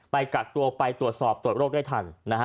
ไปกักตัวไปตรวจสอบตรวจโรคได้ทันนะฮะ